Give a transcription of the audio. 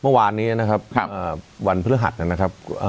เมื่อวานวันเวลาหัดนะครับ